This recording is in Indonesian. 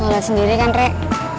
lala sendiri kan rek